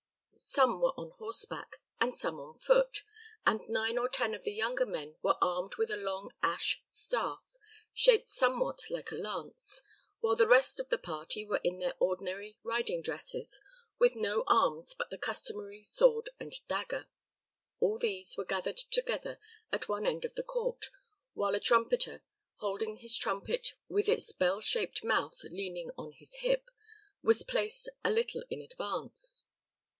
Some were on horseback, and some on foot; and nine or ten of the younger men were armed with a long ash staff, shaped somewhat like a lance, while the rest of the party were in their ordinary riding dresses, with no arms but the customary sword and dagger. All these were gathered together at one end of the court, while a trumpeter, holding his trumpet with its bell shaped mouth leaning on his hip, was placed a little in advance.